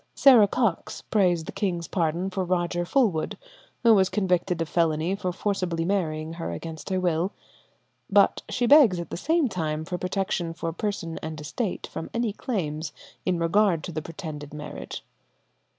Sarah Cox prays the king's pardon for Roger Fulwood, who was convicted of felony for forcibly marrying her against her will. But she begs at the same time for protection for person and estate from any claims in regard to the pretended marriage.